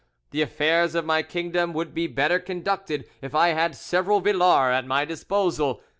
The affairs of my kingdom would be better conducted if I had several Villars at my disposal.